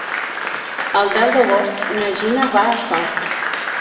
El deu d'agost na Gina va a Sort.